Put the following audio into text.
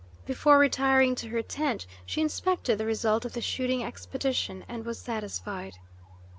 Before retiring to her tent, she inspected the result of the shooting expedition and was satisfied.